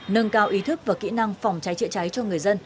nâng cao ý thức và kỹ năng phòng cháy chữa cháy cho người dân